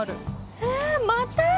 えまた？